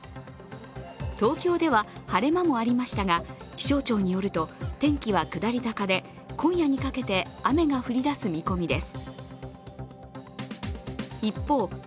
東京では晴れ間もありましたが、気象庁によると、天気は下り坂で、今夜にかけて雨が降りだす見込みです。